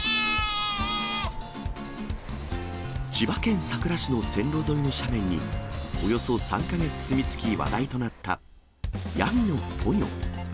千葉県佐倉市の線路沿いの斜面に、およそ３か月住み着き話題となった、ヤギのポニョ。